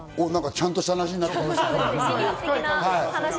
ちゃんとした話になってきた。